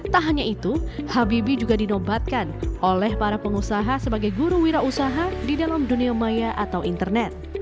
tak hanya itu habibie juga dinobatkan oleh para pengusaha sebagai guru wira usaha di dalam dunia maya atau internet